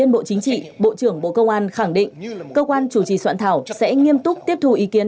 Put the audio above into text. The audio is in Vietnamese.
bộ trưởng bộ công an khẳng định cơ quan chủ trì soạn thảo sẽ nghiêm túc tiếp thu ý kiến